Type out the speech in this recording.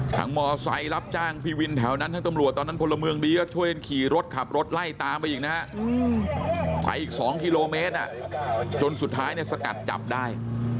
มอเซล์รับจ้างพี่วินแถวนั้นทั้งตำรวจตอนนั้นพลเมืองดีก็ช่วยกันขี่รถขับรถไล่ตามไปอีกนะฮะไปอีก๒กิโลเมตรจนสุดท้ายเนี่ยสกัดจับได้